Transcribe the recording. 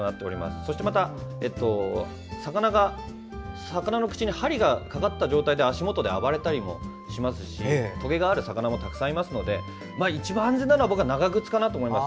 そして魚の口に針がかかった状態で足元で暴れたりもしますしとげがある魚もたくさんいますので一番安全なのは僕は長靴かなと思います。